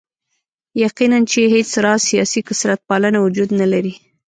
یقیناً چې هېڅ راز سیاسي کثرت پالنه وجود نه لري.